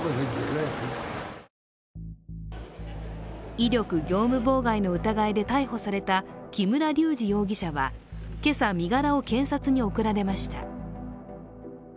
威力業務妨害の疑いで逮捕された木村隆二容疑者は今朝、身柄を検察に送られました。